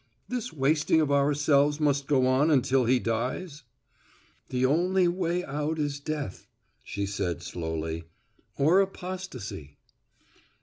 "This wasting of ourselves must go on until he dies?" "The only way out is death," she said slowly, "or apostasy."